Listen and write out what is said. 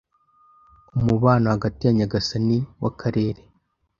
umubano hagati ya nyagasani wakarere